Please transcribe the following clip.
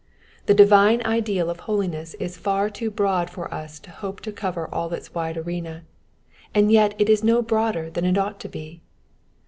The divine ideal of holiness is far too broaa for us to hope to cover all its wide arena, and yet it is no broader than it ought to be.